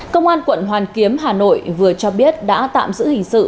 công an quận hoàn kiếm hà nội vừa cho biết đã tạm giữ hình sự